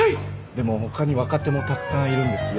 でも他に若手もたくさんいるんですよ。